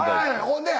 ほんで？